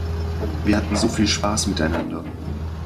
Wir hatten so viel Spaß miteinander.